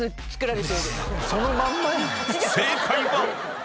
［正解は］